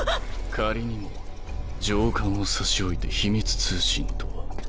仮にも上官を差し置いて秘密通信とは。